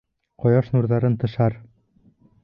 Ҡояш нурҙарын тышар.